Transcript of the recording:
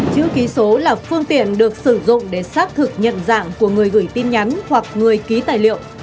chữ ký số là phương tiện được sử dụng để xác thực nhận dạng của người gửi tin nhắn hoặc người ký tài liệu